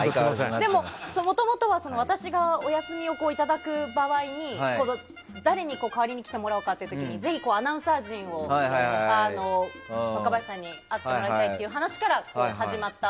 でも、もともとは私がお休みをいただく場合に誰に代わりに来てもらうかという時にぜひアナウンサー陣に若林さんに会ってもらいたいという話から始まって。